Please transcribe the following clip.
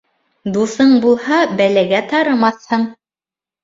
Дуҫың булһа, бәләгә тарымаҫһың.